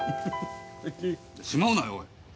しまうなよおい！